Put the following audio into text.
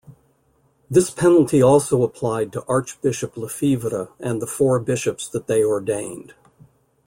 This penalty also applied to Archbishop Lefebvre and the four bishops that they ordained.